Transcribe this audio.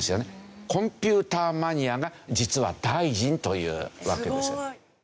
コンピューターマニアが実は大臣というわけですよ。